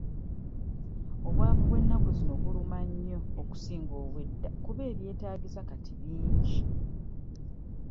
Obwavu bw'ennaku zino buluma nnyo okusinga obw'edda kuba ebyetaagisa kati bingi.